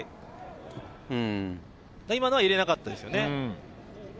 今のは入れなかったですよね。